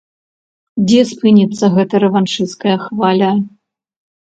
Дзе спыніцца гэтая рэваншысцкая хваля?